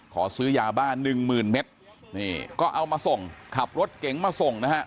ขอซื้อยาบ้านหนึ่งหมื่นเมตรนี่ก็เอามาส่งขับรถเก๋งมาส่งนะฮะ